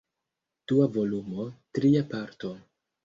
Dua volumo, Tria Parto.